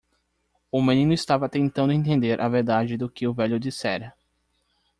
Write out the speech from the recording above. O menino estava tentando entender a verdade do que o velho dissera.